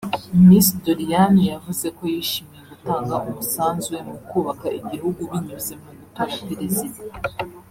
Miss Doriane yavuze ko yishimiye gutanga umusanzu we mu kubaka igihugu binyuze mu gutora Perezida